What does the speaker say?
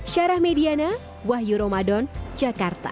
syarah mediana wahyu ramadan jakarta